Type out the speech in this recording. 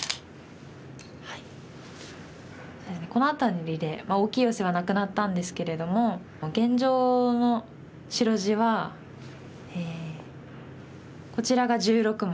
そうですねこの辺りで大きいヨセはなくなったんですけれども現状の白地はこちらが１６目。